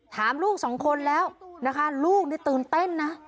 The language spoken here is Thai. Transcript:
ลูกสองคนแล้วนะคะลูกนี่ตื่นเต้นนะ